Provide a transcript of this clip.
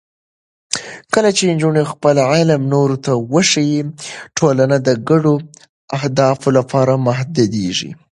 کله چې نجونې خپل علم نورو ته وښيي، ټولنه د ګډو اهدافو لپاره متحدېږي.